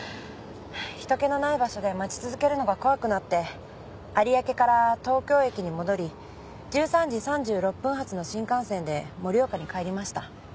ひと気のない場所で待ち続けるのが怖くなって有明から東京駅に戻り１３時３６分発の新幹線で盛岡に帰りました。